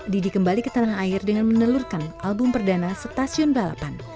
didi kembali ke tanah air dengan menelurkan album perdana stasiun balapan